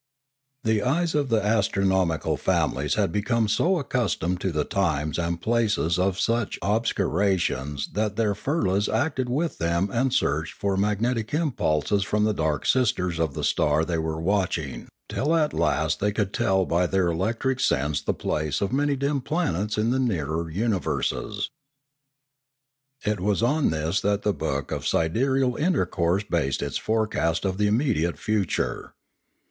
The eyes of the astronomical families had become so accustomed to the times and places of such obscurations that their firlas acted with them and searched for mag netic impulses from the dark sisters of the star they were watching; till at last they could tell by their electric sense the place of many dim planets in the nearer universes. It was on this that the book of Sidereal Intercourse based its forecast of the immediate future.